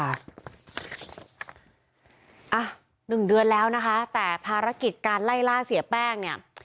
อ่ะหนึ่งเดือนแล้วนะคะแต่ภารกิจการไล่ล่าเสียแป้งเนี่ย